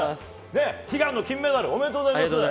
悲願の金メダル、おめでとうございます。